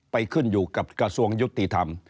ขึ้นอยู่กับกระทรวงยุติธรรม